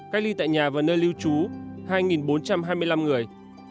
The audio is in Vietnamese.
cách ly tại nhà và nơi lưu trú hai bốn trăm hai mươi năm người